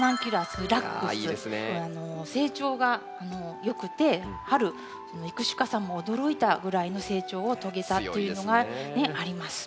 成長がよくて春育種家さんも驚いたぐらいの成長を遂げたっていうのがあります。